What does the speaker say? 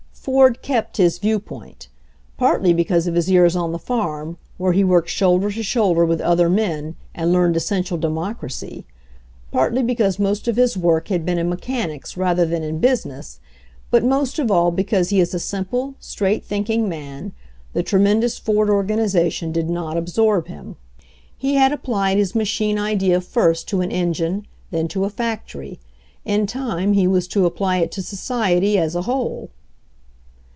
Ford kept his viewpoint. Partly because of his years on the farm, where he worked shoulder to shoulder with other men and learned essential democracy ; partly because most of his work had been in mechanics rather than in business, but most of all because he is a simple, straight think ing man, the tremendous Ford organization did not absorb him, He had applied his machine idea first to an en gine, then to a factory; in time he was to apply it to society as a whole.